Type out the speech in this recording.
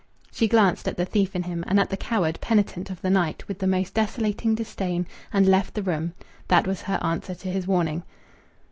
She glanced at the thief in him, and at the coward penitent of the night, with the most desolating disdain, and left the room. That was her answer to his warning.